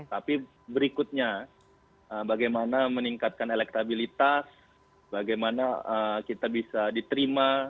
tapi berikutnya bagaimana meningkatkan elektabilitas bagaimana kita bisa diterima